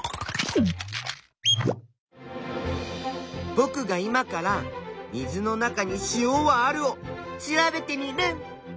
ぼくが今から水の中に「塩はある」を調べテミルン！